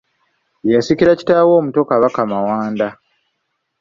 Ye yasikira kitaawe omuto Kabaka Mawanda.